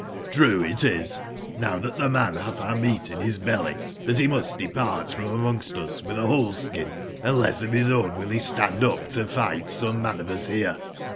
TTruc it ie, now that the man batbour meat in bie belly, tbatbe muet depart from amongst uswitb a wbole shin, unless of bis own will be stand up to figbt some man of us bere.